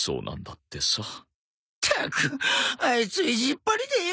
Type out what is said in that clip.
ったくあいつ意地っ張りでよ。